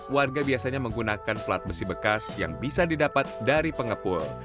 warga biasanya menggunakan plat besi bekas yang bisa didapat dari pengepul